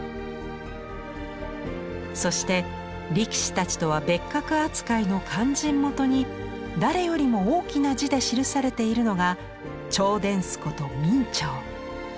そして力士たちとは別格扱いの「勧進元」に誰よりも大きな字で記されているのが「兆殿司」こと明兆。